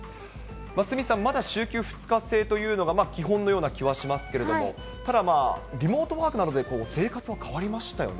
鷲見さん、まだ週休２日制というのが基本のような気はしますけれども、ただ、リモートワークなどで生活も変わりましたよね。